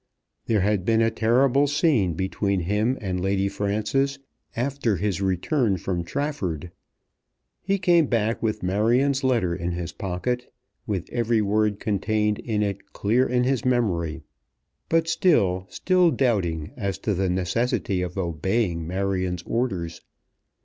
There had been a terrible scene between him and Lady Frances after his return from Trafford. He came back with Marion's letter in his pocket, with every word contained in it clear in his memory; but still, still doubting as to the necessity of obeying Marion's orders.